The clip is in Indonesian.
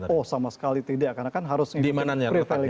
oh sama sekali tidak karena kan harus ngikutin prevailing